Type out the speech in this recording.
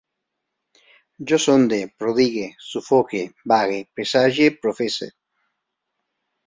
Jo sonde, prodigue, sufoque, vague, presagie, professe